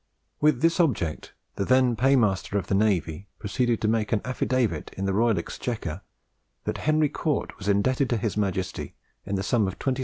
With this object the them Paymaster of the Navy proceeded to make an affidavit in the Exchequer that Henry Cort was indebted to His Majesty in the sum of 27,500L.